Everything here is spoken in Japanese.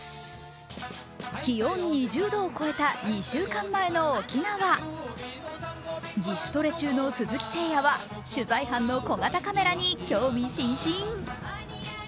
気温２０度を超えた２週間前の沖縄自主トレ中の鈴木誠也は取材班の小型カメラに興味津々。